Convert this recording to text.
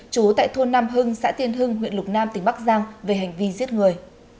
chú tại thôn nam hưng xã tiên hưng huyện lục nam tỉnh bắc giang về hành vi giết người